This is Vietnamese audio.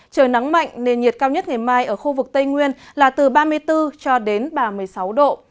trời nắng mạnh nền nhiệt cao nhất ngày mai ở khu vực tây nguyên là từ ba mươi bốn cho đến ba mươi sáu độ